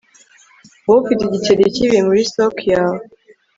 wowe ufite igiceri kibi muri sock yawe